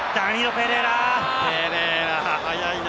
ペレイラ速いな。